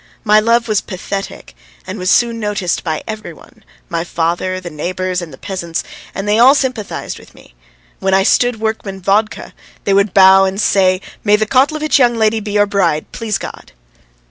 My love was pathetic and was soon noticed by every one my father, the neighbours, and the peasants and they all sympathised with me. When I stood the workmen vodka, they would bow and say: "May the Kotlovitch young lady be your bride, please God!"